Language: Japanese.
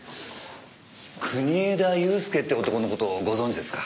国枝祐介って男の事ご存じですか？